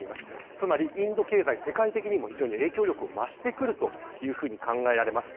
つまりインド経済世界的にも影響力を増してくるというふうに考えられます。